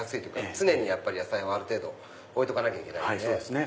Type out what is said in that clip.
常に野菜はある程度置いとかなきゃいけないので。